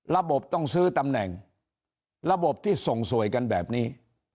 ระบบต้องซื้อตำแหน่งระบบที่ส่งสวยกันแบบนี้